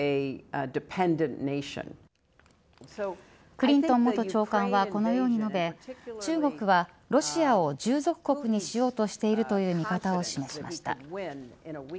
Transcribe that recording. クリントン元長官はこのように述べ中国はロシアを従属国にしようとしているという見方を示しました。